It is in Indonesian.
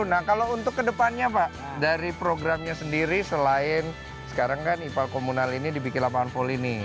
nah kalau untuk kedepannya pak dari programnya sendiri selain sekarang kan ipal komunal ini dibikin lapangan pol ini